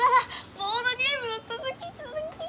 ボードゲームのつづきつづき。